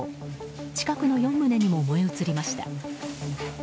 近くの４棟にも燃え移りました。